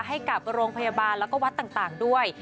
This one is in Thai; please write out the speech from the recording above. ให้กับโรงพยาบาลแล้วก็วัดต่างด้วย